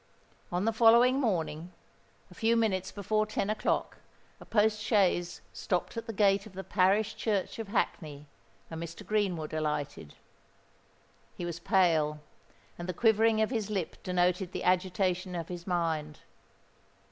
On the following morning, a few minutes before ten o'clock, a post chaise stopped at the gate of the parish church of Hackney; and Mr. Greenwood alighted. He was pale; and the quivering of his lip denoted the agitation of his mind.